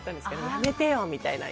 やめてよ！みたいな。